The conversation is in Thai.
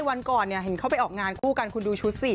วันก่อนเนี่ยเห็นเขาไปออกงานคู่กันคุณดูชุดสิ